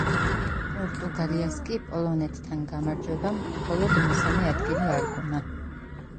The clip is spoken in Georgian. პორტუგალიას კი პოლონეთთან გამარჯვებამ მხოლოდ მესამე ადგილი არგუნა.